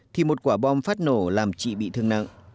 thì một quả bom phát nổ làm chị bị thương nặng